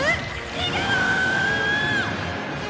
逃げろっ！